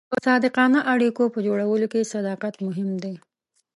د صادقانه اړیکو په جوړولو کې صداقت مهم دی.